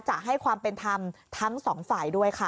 จะให้ความเป็นธรรมทั้งสองฝ่ายด้วยค่ะ